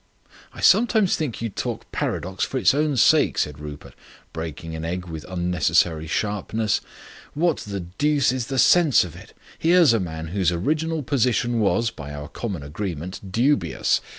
"I sometimes think you talk paradox for its own sake," said Rupert, breaking an egg with unnecessary sharpness. "What the deuce is the sense of it? Here's a man whose original position was, by our common agreement, dubious.